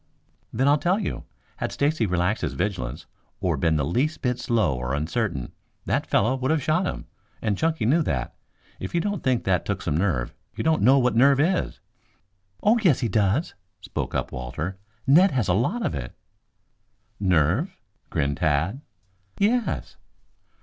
"Then I'll tell you. Had Stacy relaxed his vigilance, or been the least bit slow or uncertain, that fellow would have shot him, and Chunky knew that. If you don't think that took some nerve you don't know what nerve is." "Oh, yes he does," spoke up Walter. "Ned has a lot of it." "Nerve?" grinned Tad. "Yes."